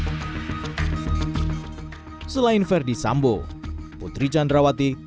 kuat ma'ruf dan dua orang lainnya diketahui pernah menjatuhkan vonis mati dalam kasus kepemilikan narkoba saat ia bertugas di pengadilan negeri medan